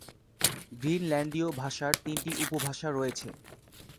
গ্রিনল্যান্ডীয় ভাষার তিনটি উপভাষা রয়েছে।